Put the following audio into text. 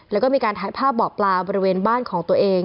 แล้วก็มีการถ่ายภาพบ่อปลาบริเวณบ้านของตัวเอง